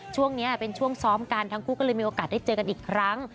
ช่วงนี้เป็นช่วงซ้อมกันทั้งคู่ก็เลยมีโอกาสได้เจอกันอีกครั้ง